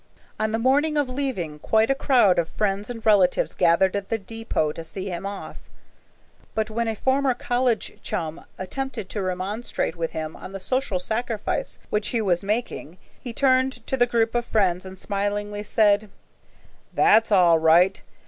On the morning of leaving, quite a crowd of friends and relatives gathered at the depot to see him off. But when a former college chum attempted to remonstrate with him on the social sacrifice which he was making, he turned to the group of friends, and smilingly said, "That's all right.